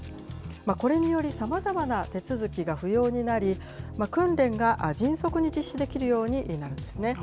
これにより様々な手続きが不要になり、訓練が迅速に実施できるようになるんですね。